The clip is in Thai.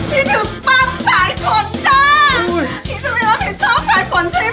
พี่ถึงปั้มสายผนจ้าพี่จะเป็นว่าผิดชอบสายผนใช่ไหม